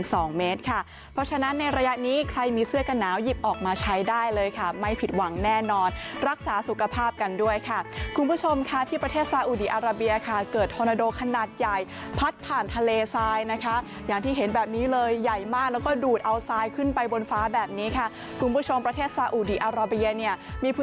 เพราะฉะนั้นในระยะนี้ใครมีเสื้อกันหนาวหยิบออกมาใช้ได้เลยค่ะไม่ผิดหวังแน่นอนรักษาสุขภาพกันด้วยค่ะคุณผู้ชมค่ะที่ประเทศซาอุดีอาราเบียค่ะเกิดทอนาโดขนาดใหญ่พัดผ่านทะเลทรายนะคะอย่างที่เห็นแบบนี้เลยใหญ่มากแล้วก็ดูดเอาทรายขึ้นไปบนฟ้าแบบนี้ค่ะคุณผู้ชมประเทศซาอุดีอาราเบียเนี่ยมีพ